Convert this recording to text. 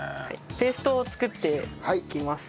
ペーストを作っていきます。